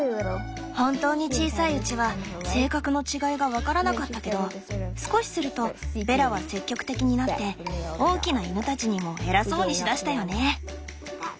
本当に小さいうちは性格の違いが分からなかったけど少しするとベラは積極的になって大きな犬たちにも偉そうにしだしたよね。